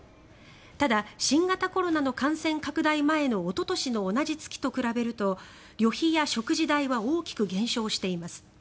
ただ、新型コロナの感染拡大前のおととしの同じ月と比べると旅費や食事代は大きく減少しています。